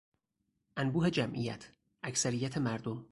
انبوه جمعیت، اکثریت مردم